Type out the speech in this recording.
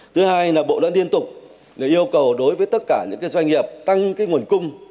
thứ hai là bộ đã liên tục yêu cầu đối với tất cả những doanh nghiệp tăng nguồn cung